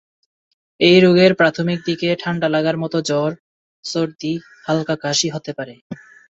এই রোগের প্রাথমিক দিকে ঠাণ্ডা লাগার মত জ্বর, সর্দি, হালকা কাশি হতে পারে।